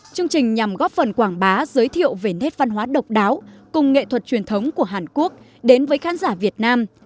chương trình nhằm góp phần quảng bá giới thiệu về nét văn hóa độc đáo cùng nghệ thuật truyền thống của hàn quốc đến với khán giả việt nam